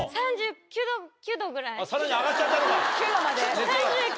さらに上がっちゃったのか。